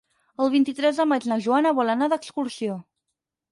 El vint-i-tres de maig na Joana vol anar d'excursió.